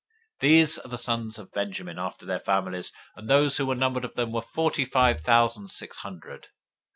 026:041 These are the sons of Benjamin after their families; and those who were numbered of them were forty five thousand six hundred.